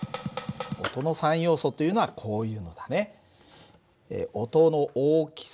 音の三要素というのはこういうのだね。